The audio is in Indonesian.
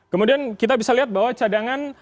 kemudian kita bisa lihat bahwa cadangan